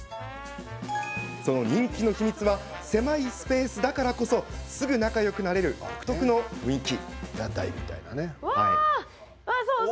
人気の秘密ですが狭いスペースだからこそすぐ仲よくなれる独特の雰囲気。